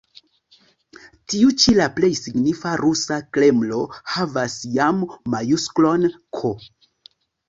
Tiu ĉi la plej signifa rusa Kremlo havas jam majusklon „K“.